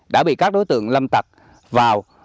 đã bị các đối tượng lâm tạc vào